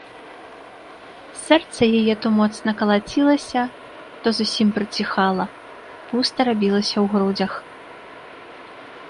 Сэрца яе то моцна калацілася, то зусім прыціхала, пуста рабілася ў грудзях.